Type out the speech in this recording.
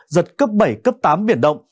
giật cấp bảy tám biển động